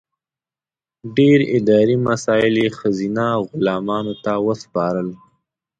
ډېر اداري مسایل یې ښځینه غلامانو ته وسپارل.